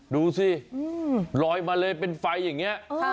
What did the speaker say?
ดูสิลอยมาเลยเป็นไฟอย่างนี้